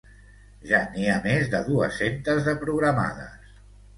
Ja n’hi ha més de dues-centes de programades.